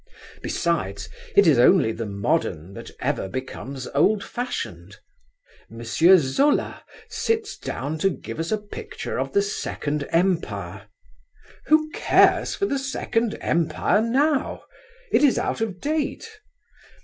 Besides, it is only the modern that ever becomes old fashioned. M. Zola sits down to give us a picture of the Second Empire. Who cares for the Second Empire now? It is out of date.